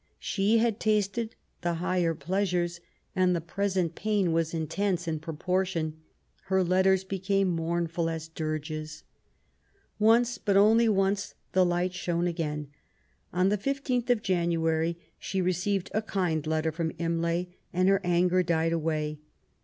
She had tasted the higher pleasures^ and the present pain was intense in proportion. Her letters became mournful as dirges. Once, but only once, the light shone again. On the 15th of January she received a kind letter from Imlay, and her anger died away.